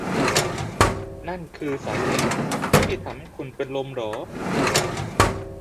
นั่นคือสาเหตุที่ทำให้คุณเป็นลมเหรอ